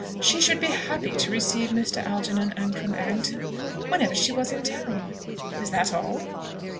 She should be happy to receive Mr. Algernon Ancram Errington, whenever she was in town." "Is that all?" "All?"